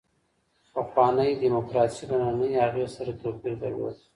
پخوانۍ دیموکراسي له نننۍ هغې سره توپیر درلود.